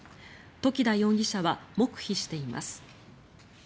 時田容疑者は黙秘しています。